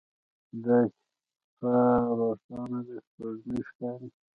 دا شپه روښانه ده سپوږمۍ ښکاري